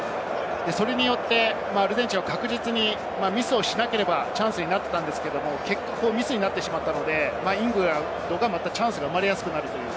それによってアルゼンチンは確実にミスをしなければチャンスになっていたのですが、ミスになってしまったのでイングランドにチャンスが生まれやすくなっています。